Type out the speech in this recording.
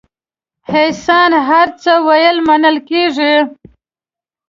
احسان هر څه ویل منل کېږي.